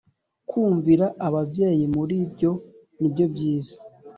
Kumvira ababyeyi muri ibyo nibyo byiza